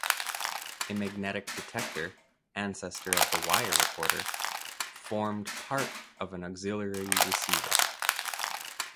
A magnetic detector (ancestor of the wire recorder) formed part of an auxiliary receiver.